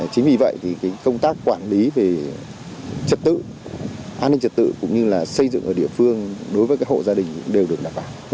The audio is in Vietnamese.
chính vì vậy thì công tác quản lý về trật tự an ninh trật tự cũng như là xây dựng ở địa phương đối với các hộ gia đình đều được đảm bảo